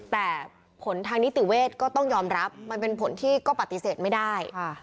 แต่ผลทางนิติเวทก็ต้องยอมรับมันเป็นผลที่ก็ปฏิเสธไม่ได้